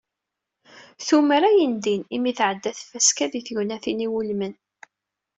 Tumer ayendin, imi tεedda tfaska-a, di tegnatin iwulmen.